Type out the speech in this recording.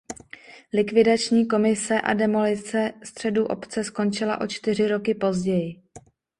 Likvidační komise a demolice středu obce skončila o čtyři roky později.